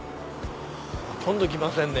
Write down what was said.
ほとんど来ませんね。